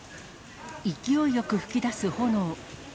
勢いよく噴き出す炎。